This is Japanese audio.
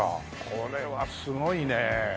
これはすごいね。